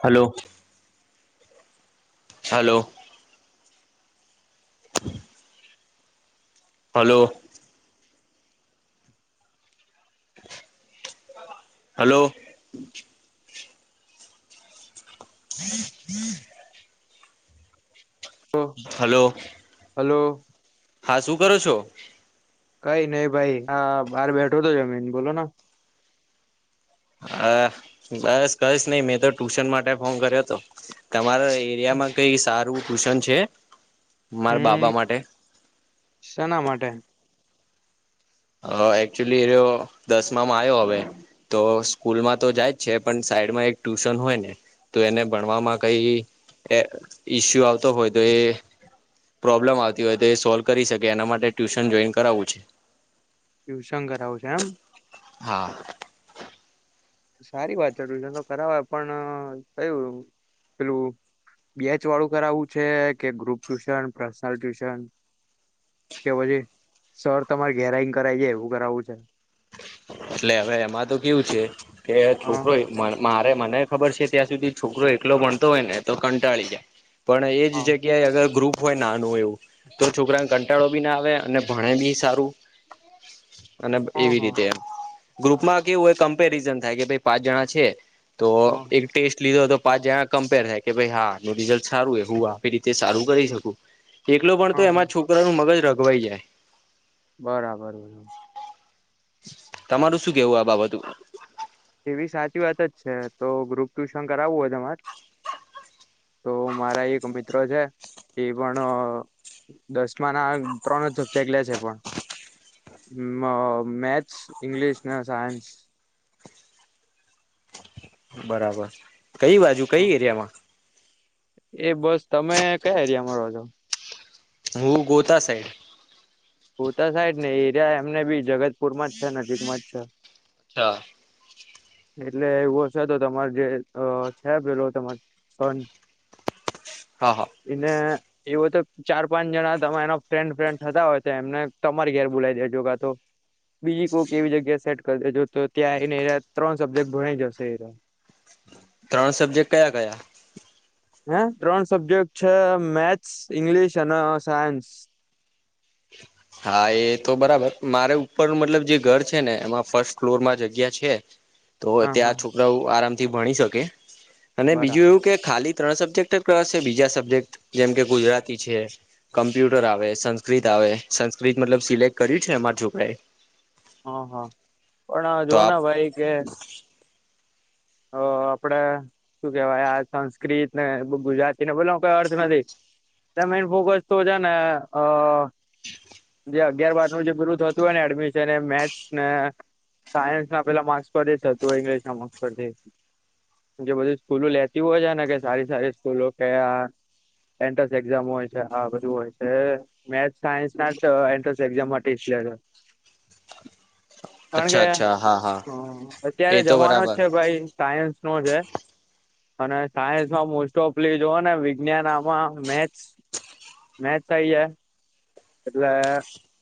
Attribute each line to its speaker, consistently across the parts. Speaker 1: Hello hello. Hello hello. [inaudible] Hello હા, શું કરો છો.
Speaker 2: કઈ, નહી. ભાઈ હા બહાર બેઠો તો જમીન બોલોને
Speaker 1: હ બસ કઈશ નહી. મેં તો ટ્યુશન માટે ફોન કર્યો હતો તમારા એરિયામાં કઈ, સારુ ટ્યુશન છે. મારા
Speaker 2: હમ
Speaker 1: બાબા માટે.
Speaker 2: શેના માટે
Speaker 1: હ એકચુલી દસમામાં આવ્યો હવે તો સ્કૂલમાં તો જાય જ છે પણ સાઈડમાં એક ટ્યુશન હોય ને તો એને ભણવામાં કઈ એ ઈસ્યુ આવતો હોય તો એ પ્રોબ્લેમ આવતી હોય તો એ સોલ્વ કરી શકે એના માટે ટ્યુશન જોઈન કરાવું છે.
Speaker 2: ટ્યુશન કરાવું છે એમ.
Speaker 1: હા.
Speaker 2: સારી વાત છે ટ્યુશન તો કરાવવા પણ કયું પેલું બેચ વાળું કરાવું છે કે ગ્રુપ ટ્યુશન પર્સનલ ટ્યુશન. કે પછી સર તમારે ઘેરા ઈંન કરાઈ જાય એવું કરાવવું છે.
Speaker 1: એટલે હવે, એમાં તો કેવું છે. કે
Speaker 2: હા
Speaker 1: છોકરો પણ મારે મને ખબર છે. ત્યાં સુધી છોકરો એકલો ભણતો હોય, ને તો કંટાળી જાય. પણ, એ જ
Speaker 2: હા
Speaker 1: જગ્યાએ અગર ગ્રુપ હોય, નાનું હોય. એવુ તો છોકરા કંટાળો બી ના આવે અને ભણે બી સારુ [inaudible] અને
Speaker 2: હા
Speaker 1: એવી
Speaker 2: હા
Speaker 1: રીતે ગ્રુપમાં કેવું હો કમ્પેરિઝન થાય કે ભાઈ પાંચ જણા છે. તો
Speaker 2: હા
Speaker 1: એક ટેસ્ટ લીધો હતો પાંચ જણા કમ્પેર થાય કે ભાઈ હાનું રિઝલ્ટ સારું એ હું રીતે સારું કરી શકું. એકલો પણ તો
Speaker 2: હા
Speaker 1: એમાં છોકરા નું મગજ રગવાઈ જાય.
Speaker 2: બરાબર.
Speaker 1: તમારું શું કેવું આ બાબતમાં.
Speaker 2: એવી સાચી વાત જ છે તો ગ્રુપ ટ્યુશન કરાવવું હોય તમાર તો મારા એક મિત્ર છે. એ પણ દસમા ના ત્રણ જ સબ્જેક્ટ લેશે પણ મેથ્સ ઇંગ્લિશ ને સાયન્સ.
Speaker 1: બરાબર કઈ બાજુ કઈ એરિયામાં.
Speaker 2: એ બસ તમે કયા એરિયામાં રહો છો.
Speaker 1: હું ગોતા સાઈડ.
Speaker 2: ગીતા સાઈડ ને એરિયા એમને બી જગત પુરમાં જ છે નજીકમાં જ છે.
Speaker 1: અચ્છા.
Speaker 2: એટલે એવું છે તો તમારે જે છે પેલો તમાર સન
Speaker 1: હા હા
Speaker 2: એને એવો તો ચાર પાંચ જણા તમા એનો ફ્રેન્ડ ફ્રેન્ડ થતા હોય એમને તમારી ઘેર બોલાવી દેજો કાતો બીજી કોઈક એવી જગ્યા સેટ કરી દેજો તો ત્યાં એને ત્રણ સબ્જેક્ટ ભણાઈ જશે એ.
Speaker 1: ત્રણ સબ્જેક્ટ કયા કયા.
Speaker 2: હ ત્રણ સબ્જેક્ટ છે મેથ્સ ઈંગ્લિશ અને સાયન્સ.
Speaker 1: [inaudible] હા એ તો બરાબર મારે ઉપર મતલબ જે ઘર છે ને એમાં ફર્સ્ટ ફ્લોર માં જગ્યા છે જ. તો
Speaker 2: હા હા
Speaker 1: ત્યાં છોકરાઓ આરામથી ભણી શકે અને બીજું
Speaker 2: બરાબર
Speaker 1: એવું કે ખાલી ત્રણ સબ્જેક્ટ જ કશે બીજા સબ્જેક્ટ જેમ કે ગુજરાતી છે કમ્પ્યુટર આવે સં સંસ્કત આવે સંસ્કૃત મતલબ સિલેક્ટ કર્યું છે અમારા છોકરાએ.
Speaker 2: હા-હા પણ
Speaker 1: તો
Speaker 2: જોને
Speaker 1: આપ
Speaker 2: ભાઈ કે
Speaker 1: [inaudible]
Speaker 2: આપડે શું કેવાય આ સંસ્કૃત ને ગુજરાતી ને બલો કઈ અર્થ નથી. તમે ફોકસ તો છે ને. જે અગિયાર બાર નું જે પૂરું થતું હોય ને એડમિશન એ મેથ્સ ને. સાયન્સ ના પેલા માર્ક્સ પર જ હતું ઇંગ્લિશ ના માર્ક્સ પર. જે બધી સ્કૂલો લેતી હોય છે ને કે સારી સારી સ્કૂલો કયા. એન્ટ્રન્સ એક્ઝામ હોય છે આ બધું હોય છે મેથ સાયન્સ ના એન્ટ્રન્સ એક્ઝામ માટે. [inaudible]
Speaker 1: [inaudible]
Speaker 2: કારણ કે
Speaker 1: અચ્છા
Speaker 2: અ,
Speaker 1: અચ્છા હા હા
Speaker 2: અત્યારે
Speaker 1: એ તો
Speaker 2: જમાનો
Speaker 1: બરાબર.
Speaker 2: જ છે ભાઈ સાયન્સ નો છે. અને સાયન્સમાં મોસ્ટ ઓફ્લી જો ને વિજ્ઞાન આમાં મેથસ. મેચ થઈ જ એટલે.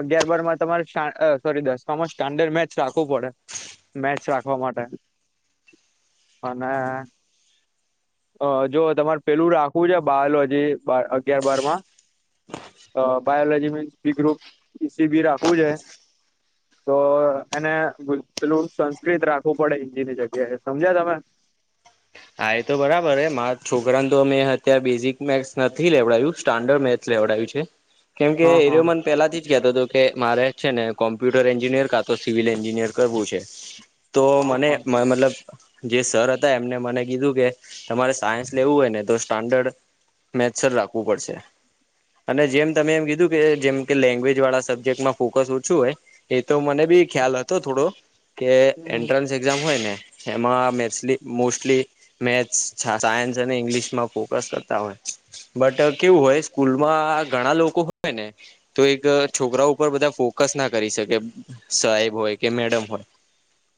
Speaker 2: અગિયાર બારમાં તમારે સોરી દસ માં સ્ટાન્ડર્ડ મેચ રાખવું પડે. મેચ રાખવા માટે અને. હ જો તમારે પેલું રાખવું છે બાાલ હજી અગિયાર બાર માં. તો biology means B group C B રાખવું જો. તો એને પેલું સંસ્કૃત રાખવું પડે હિન્દી ની જગ્યાએ સમજ્યા તમે.
Speaker 1: [inaudible] હા એ તો બરાબર હ મારા છોકરાને તો મેમે અત્યારે બેઝિક મે્સ નથી લેવડાવું સ્ટાન્ડર્ડ મેથસ લેવાડ. કેમ એ
Speaker 2: હા હા
Speaker 1: મ પેલાથી કતો હતો કે મારે છે ને કોમ્પ્યુટર એન્જિનિયર. કા તો સિવિલ એન્જિનિયર કરવું છે તો
Speaker 2: હા
Speaker 1: મને
Speaker 2: હા
Speaker 1: મતલબ. જે સર હતા એમને મને. કીધું કે તમારે સાયન્સ લેવું હોયને તો સ્ટાન્ડર્ડ મેથ રાખવું પડશે. અને જેમ તમે એમ કીધું કે જેમ કે લેંગ્વેજ વાળા સબ્જેક્ટમાં ફોકસ ઓછું હોય એ તો મને. ખ્યાલ હતો થોડો. કે
Speaker 2: હ
Speaker 1: એન્ટ્રન્સ એક્ઝામ હોય ને એમાં મેસલી મોસ્ટલી. મેથ સાયન્સ અને ઇંગ્લિશ માં ફોકસ કરતા હોય. બટ કેવું હોય સ્કૂલમાં ઘણા લોકો હોય ને તો એક છોકરા ઉપર બધા ફોકસ. ચોકસ ના કરી શકે સાહેબ. હો કે મેડમ હોય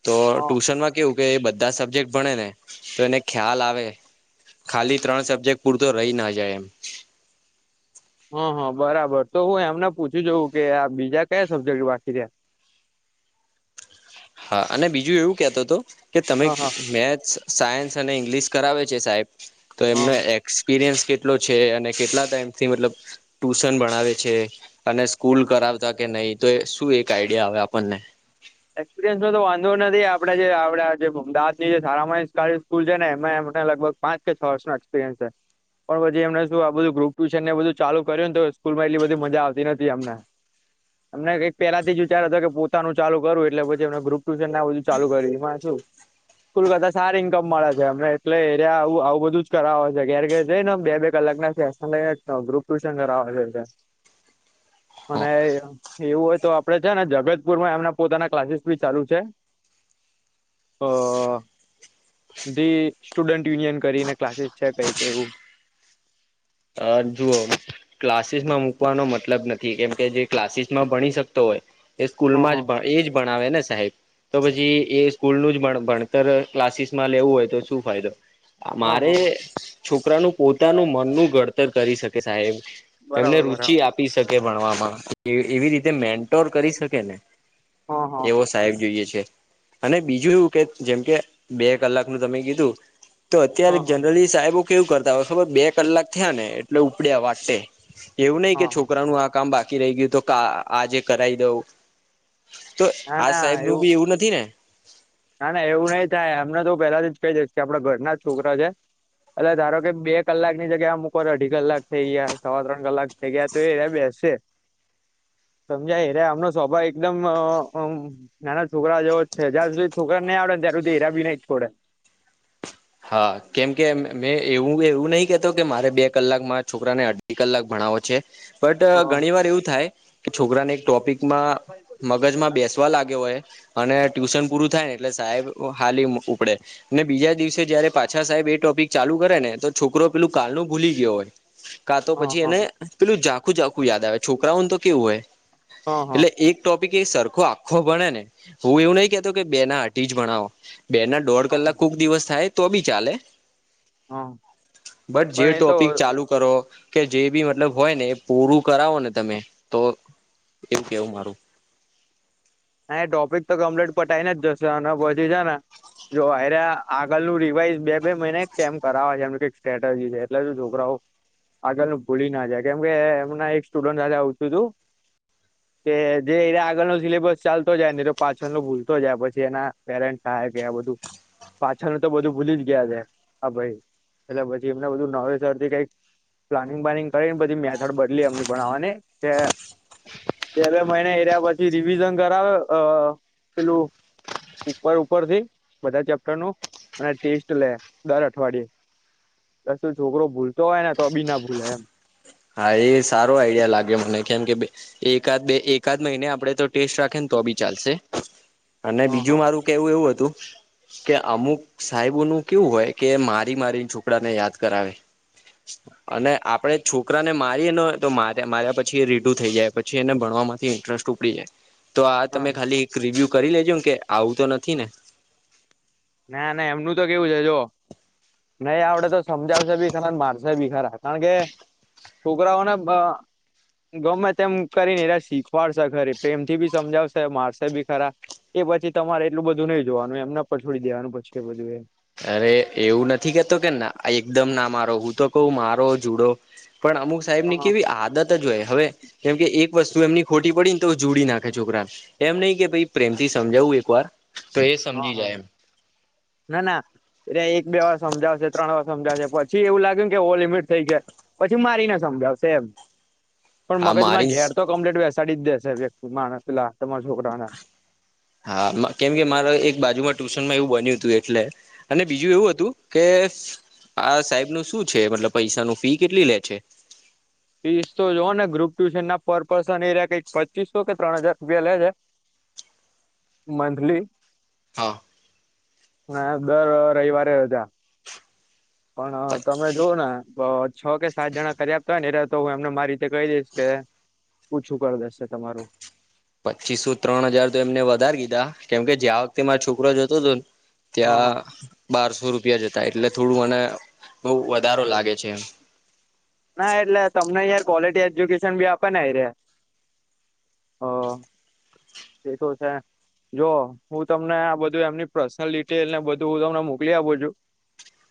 Speaker 1: તો
Speaker 2: હા
Speaker 1: ટુશનમાં કેવું કે બધા સબ્જેક્ટ ભણે ને. તો એને ખ્યાલ આવે. ખાલી ત્રણ સબ્જેક્ટ પૂરતો રહી ના જાય એમ.
Speaker 2: હા હા બરાબર તો હું એમને પૂછું જઉ કે આ બીજા કયા સબ્જેક્ટ બાકી રહ્યા.
Speaker 1: હા અને બીજું એવું કેતો હતો કે તમે
Speaker 2: હા હા
Speaker 1: મેચ. સાયન્સ અને ઇંગ્લિશ કરાવે છે સાહેબ તો
Speaker 2: હા
Speaker 1: એમનો
Speaker 2: હા
Speaker 1: એક્સપિરિયન્સ. કેટલો છે અને કેટલા ટાઈમથી મતલબ ટ્યુશન ભણાવે છે. અને સ્કૂલ કરાવતા કે નહી તો શું એક આઈડિયા આવે આપણને.
Speaker 2: એક્સપિરિયન્સ નો તો વાંધો નથી આપડે જે આપ જે અમદાવાદ જે સારામા સ્કૂલ છે ને એ. લગભગ પાચ કે છ વર્ષનો એક્સપિરિયન્સ છે. પણ પછી એમને શું આ બધું ગ્રુપ ટ્યુશન ને એ બધું ચાલુ કર્યું ને તો સ્કૂલમાં એટલી બધી મજા આવતી નથી અમને. અમને કઈ પેલાથી જ વિચાર હતો કે પોતાનું ચાલુ. કરું એટલે પછી એમ ગ્રુપ ટુશન ના બધું ચાલુ કર્યું એમાં. કુલકતા સારારી ઇન્કમ મળે છે અમને એટલે એરિયા આવું બધું જ કરાવેય છે ઘેર ઘેર જઈ ને બે કલા. લગ્ન છે ગ્રુપ ટ્યુશન કરાવ છે.
Speaker 1: [inaudible] હ
Speaker 2: અને એવું હોય તો આપડે છે ને જગતપુર માં એમના. પોતાના ક્લાસીસ બી ચાલુ છે અ ધી સ્ટુડન્ટ યુનિયન કરીને ક્લાસીસ છે કઈક એવું.
Speaker 1: હ જુઓ. ક્લાસીસ માં મૂકવાનો મતલબ નથી, કેમ કે જે ક્લાસીસ માં ભણી શકતો હોય. એ
Speaker 2: હ હ
Speaker 1: સ્કૂલમાં જ એ જ ભણાવે ને સાહેબ, તો પછી એ સ્કૂલનું જ ભણતર ક્લાસીસ માં લેવું, હોય તો શું ફાયદો
Speaker 2: હ હ
Speaker 1: મારે
Speaker 2: હ
Speaker 1: છોકરાનું પોતાનું મનનું ઘડતર કરી શકે સાહેબ એમને
Speaker 2: બરાબર
Speaker 1: રુચિ
Speaker 2: બરાબર
Speaker 1: આપી શકે ભણવામાં એવી રીતે મેન્ટોર કરી શકે ને
Speaker 2: હા હા
Speaker 1: એવો સાહેબ જોઈએ છે. અને બીજું એવું કે જેમ કે બે કલાક નું તમે કીધું. તો અત્યારે
Speaker 2: હા હા
Speaker 1: જનરલી સાહેબો કેવું કરતા હોય, ખબર બે કલાક થયા ને એટલે ઉપડ્યા વાસે એવું નહીં કે
Speaker 2: હા હા
Speaker 1: છોકરાનું આ કામ બાકી રહી ગયું તો આજે કરાઈ દઉં. તો
Speaker 2: ના
Speaker 1: આજ સાહેબ
Speaker 2: ના
Speaker 1: નું બી એવું નથી ને
Speaker 2: ના ના એવું નઈ થાય અમને તો પેલાથી જ કહી દઇશ કે આપડા ઘરના છોકરા છે. અ ધારો કે બે કલાક ની જગ્યા મૂકો તો અઢી કલાક થઈ ગયા સવા ત્રણ કલાક થઈ ગયા તો એ બેશે.
Speaker 1: [inaudible]
Speaker 2: સમજાય રે આમનો સ્વભાવ એકદમ અમ નાના છોકરા જેવો જ છે, જ્યાં સુધી છોકરા નહીં આવડે ને ત્યારે દેરા ભી નહિ છોડે.
Speaker 1: હા કેમ કે મેં એવું એવું નહીં કે તો કે મારે બે કલાક મારા છોકરાને અઢી કલાક ભણાવો છે. બટ
Speaker 2: હ
Speaker 1: ઘણી વાર એવું થાય કે છોકરાને એક ટોપિક માં
Speaker 2: હા
Speaker 1: મગજમાં બેસવા લાગ્યો હોય. અને ટ્યુશન પૂરું થાય ને એટલે સાહેબ હાલી ઉપડે બીજા દિવસે જયારે પાછા સાહેબ એ ટોપિક ચાલુ કરે ને તો છોકરો પેલું કાલ નું ભૂલી ગયો હોય. કાં તો
Speaker 2: હા
Speaker 1: પછી
Speaker 2: હા
Speaker 1: એને પેલું ઝાખું ઝાખું યાદ આવે છોકરાઓને તો કેવું હોય.
Speaker 2: હા
Speaker 1: એટલે એક ટોપ સરખો આખો ભણે ને હું એવું નહી કેતો કે બે ના અઢી જ ભણાવો. બે ના દોઢ
Speaker 2: હા
Speaker 1: કલાક કોક દિવસ થાય તો બી ચાલે.
Speaker 2: હા
Speaker 1: બટ જે
Speaker 2: પણ એ તો
Speaker 1: ટોપિક ચાલુ કરો. કે જે બી મતલબ હોય ને એ પૂરું કરાવો, ને તમે તો એવું કેવું મારું [inaudible]
Speaker 2: અહીંયા ટોપિક તો કમ્પ્લીટ પટાઈને જશુ આના પછી છે ને જો અરે આગળનું રિવાઈઝ બે બે મહિને કેમ કરાવે છે, એમ કંઈક સ્ટ્રેટેજીસ છે એટલે સુ છોકરાઓ આગળનું ભૂલી ના જાય કેમ કે એમના એક સ્ટુડન્ટે હારે આવતુંતું, કે જે એ આગળ નો સિલેબસ ચાલતો જાય તો પાછળ નો ભૂલતો જાય પછી એના પેરેન્ટ કે આ બધું પાછળનું તો બધું ભૂલી જ ગયા છે, હા ભાઈ એટલે પછી એમને બધું નવેસર થી કંઈક. પ્લાનિંગ્લાનિંગ કરી બધી મે- ત્યાર‌ બદલી એમની ભણાવવાની બે મહિને એર્યા પછી રિવિઝન. કરાવે અ પેલું. ઉપર ઉપર થી બધા ચેપ્ટર નું અને ટેસ્ટ લે દર અઠવાડિયે તો શુ છોકરો ભૂલતો હોય ને તો બી ના ભૂલે એમ.
Speaker 1: હા એ સારો આઈડિયા લાગે મને કેમ કે એકાદ બે એકાદ મહિને આપડે તો ટેસ્ટ રાખે. તો બી ચાલશે અને
Speaker 2: હ હ
Speaker 1: બીજું મારું કેવું એવું હતું. કે અમુક સાહેબો નું કેવું હોય કે મારી મારી છોકરાને યાદ કરાવે. અને આપડે. છોકરાને મારીને તો મા માર્યા પછી એ રીઢું થઈ જાય, પછી એને ભણવા થી ઇન્ટરેસ્ટ ટુટી જાય. તો આ
Speaker 2: હ
Speaker 1: તમે ખાલી એક રિવ્યુ કરી લેજો કે આવું તો નથી ને,
Speaker 2: ના ના એમનું તો કેવું છે, જો નહીં આવડે તો સમજાવશે બી ખરા મારશે બી ખરા કારણ કે છોકરાઓને ગમે તેમ કરી ને એને શીખવાડશે ખરી પ્રેમ થી બી સમજાવશે, મારશે બી ખરા. પછી તમારે એટલું બધું નહી જોવાનું એમના પર છોડી દેવાનું પછી કે બધું એ
Speaker 1: અરે કહું તો કહું મારો જુડો પણ અમુક
Speaker 2: હા
Speaker 1: સાહેબની
Speaker 2: હા
Speaker 1: કેવી આદત જ હોય હવે જેમ કે એક. વસ્તુ એમની ખોટી પડી ને તો જોડી નાખે છોકરાને એમ નહી કે ભાઈ પ્રેમથી સમજાવું એક વાર. તો એ
Speaker 2: હા
Speaker 1: સમજી જાય એમ.
Speaker 2: એને એક બે વાર સમજાવશે ત્રણ વાર સમજાવશે પછી એવું લાગ્યું કે ઓ લિમિટ થઈ ગાય પછી મારી ને સમ સમજાવશે એમ. પણ
Speaker 1: હા મારી
Speaker 2: મગજમાં ઘેર તો કમ્પ્લીટ બેસાડી જ દેશે વ્યક્તિ માણ પેલા તમારા છોકરાના.
Speaker 1: હા કેમ કે મારે એક બાજુમાં ટ્યુશનમાં એવું બન્યું હતું એટલે અને બીજું એવું હતું કે. આ સાહેબ નું શું છે મતલબ પૈસા ન ફી કેટલી લે છે.
Speaker 2: ફીસ તો જો ને ગ્રુપ ટ્યુશન ના પર પર્સન એ ક પચીસો કે ત્રણ હજાર રૂપિયા લેજે.
Speaker 1: [inaudible]
Speaker 2: મથલી.
Speaker 1: હા.
Speaker 2: હ દર રવિવારે્યા. પણ તમે જોુઓ ને. છ કે સાત જણા કર્યા આપતા હોય ને એટલે તો હું એમને મારી રીતે કહી દઈશ કે. પૂછું કર દેશે તમારું.
Speaker 1: પચીસો ત્રણ હજાર તો એમને વધારી દીધા કેમકે જે આ વખતે મારો છોકરો જોતો હતો ને.
Speaker 2: હા હા
Speaker 1: ત્યાં બારસો રૂપ. જતા એટલે થોડું મને બહ વધારો લાગે છે એ.
Speaker 2: ના એટલે તમને યાર. ક્વોલિટી એજ્યુકેશન બી આપે ને એ ર્યા હ. તે તો છે. જો હું તમને આ બધું એમની પર્સનલ ડિટેલ ને બધું હું તમને મોકલી આપું છું.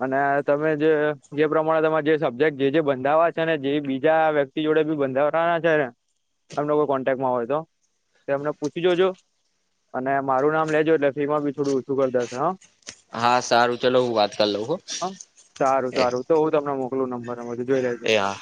Speaker 2: અને તમે જે જે પ્રમાણે તમારે જે સબ્જેક્ટ જે જે બંધાવા છે ને જે બીજા વ્યક્તિ. જોડે બી બંધ અમને કોઈ કોન્ટેક માં હોય તેમને. પૂછી જોજો અને મારું નામ લેજો એટલે ફી માં બી થોડું ઓછું કરી દેશે હ.
Speaker 1: હા સારું ચલો હું વાત કરી લઉં હ એ.
Speaker 2: પગ નંબરધ જોઈ લેજો.
Speaker 1: એ હા